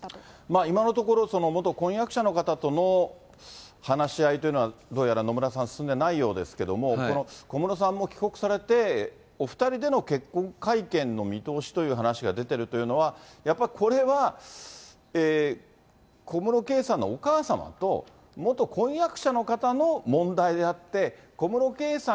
今のところ、元婚約者の方との話し合いというのは、どうやら野村さん、進んでないようですけれども、この小室さんも帰国されて、お２人での結婚会見の見通しという話が出てるというのは、やっぱりこれは、小室圭さんのお母様と元婚約者の方の問題であって、小室圭さん